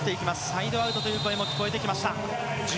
サイドアウトという声も聞こえました。